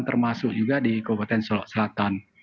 termasuk juga di kabupaten